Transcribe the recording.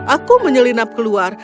aku menyelinap keluar